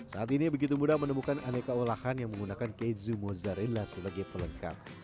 saat ini begitu mudah menemukan aneka olahan yang menggunakan keju mozzarella sebagai pelengkap